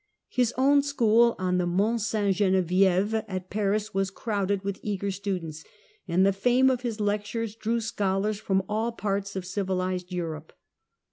His own school on the Mont Ste Genevieve at Paris was crowded with eager students, and the fame of his lectures drew scholars from all parts of civilized Europe.